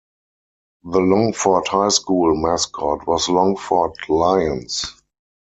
The Longford High School mascot was Longford Lions.